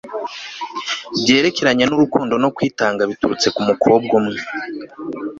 byerekeranye nurukundo no kwitanga biturutse kumukobwa umwe